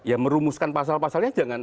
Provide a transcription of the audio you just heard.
ya merumuskan pasal pasalnya